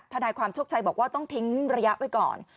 ทนายความโชคชัยบอกว่าต้องทิ้งระยะไว้ก่อน